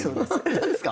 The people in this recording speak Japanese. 何ですか？